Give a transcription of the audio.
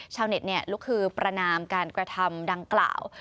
ชาวเน็ตลุกคือประนามการกระทำดังกล่าว